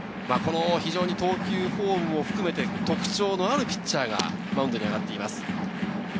投球フォームを含めて、特徴のあるピッチャーがマウンドに上がっています。